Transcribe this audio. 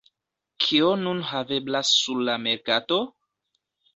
Kio nun haveblas sur la merkato?